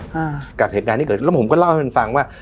อ่ากับเหตุการณ์ที่เกิดแล้วผมก็เล่าให้มันฟังว่า